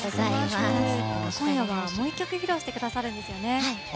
今夜はもう１曲披露してくださるんですよね？